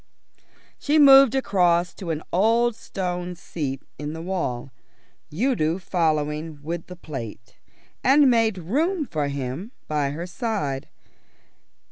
She moved across to an old stone seat in the wall, Udo following with the plate, and made room for him by her side.